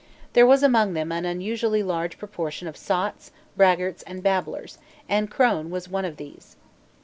There was among them an unusually large proportion of sots, braggarts, and babblers; and Crone was one of these.